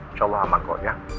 insya allah aman kok ya